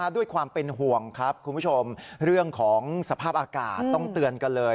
ด้วยความเป็นห่วงครับคุณผู้ชมเรื่องของสภาพอากาศต้องเตือนกันเลย